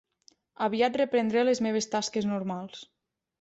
Aviat reprendré les meves tasques normals.